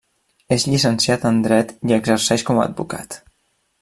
És llicenciat en Dret i exerceix com a advocat.